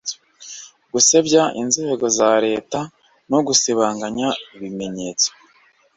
gusebya inzego za Leta no gusibanganya ibimenyetso